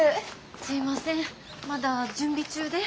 すいませんまだ準備中で。